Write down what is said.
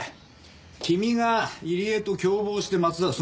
君が入江と共謀して松田を。